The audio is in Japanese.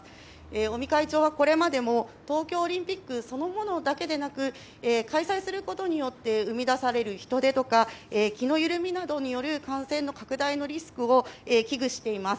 尾身会長はこれまでも東京オリンピックそのものだけでなく開催することによって生み出される人出とか気の緩みなどによる感染拡大のリスクを危惧しています。